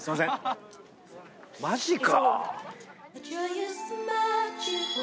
マジか！